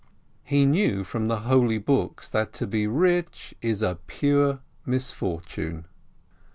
He knew from the holy books that to be rich is a pure misfortune.